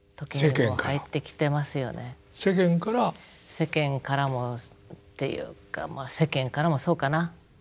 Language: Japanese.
世間からもっていうかまあ世間からもそうかな。